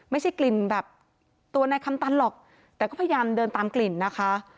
ไม่ใช่กลิ่นแบบตัวนายคำตันหรอกแต่ก็พยายามเดินตามกลิ่นนะคะ